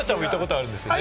あるんです！